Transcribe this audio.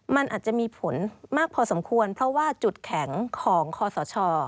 มันอาจจะมีผลมากพอสมควรเพราะว่าจุดแข็งของคอสช